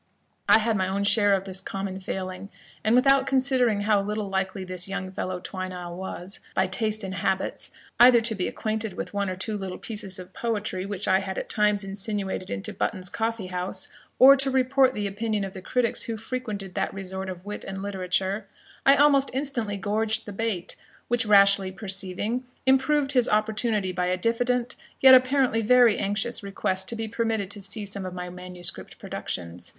I had my own share of this common failing, and without considering how little likely this young fellow Twineall was, by taste and habits, either to be acquainted with one or two little pieces of poetry, which I had at times insinuated into Button's coffee house, or to report the opinion of the critics who frequented that resort of wit and literature, I almost instantly gorged the bait; which Rashleigh perceiving, improved his opportunity by a diffident, yet apparently very anxious request to be permitted to see some of my manuscript productions.